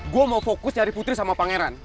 gue mau fokus nyari putri sama pangeran